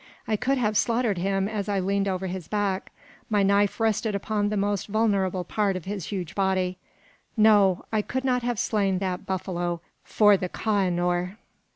I could have slaughtered him as I leaned over his back. My knife rested upon the most vulnerable part of his huge body. No! I could not have slain that buffalo for the Koh i noor.